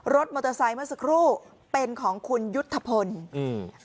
รถมอเตอร์ไซค์เมื่อสักครู่เป็นของคุณยุทธพลอืม